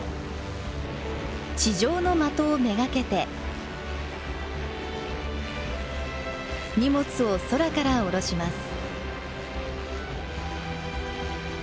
地上の的を目がけて荷物を空から降ろします。